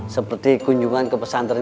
seperti kunjungan ke pesantren